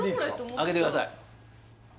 開けてください